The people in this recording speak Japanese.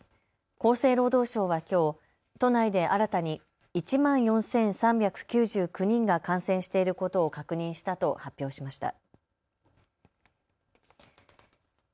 厚生労働省はきょう都内で新たに１万４３９９人が感染していることを確認したと発表しました。